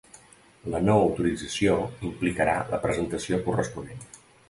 La no autorització implicarà la presentació corresponent.